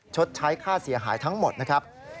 ชดใช้ค่าเสียหายทั้งหมดนะครับ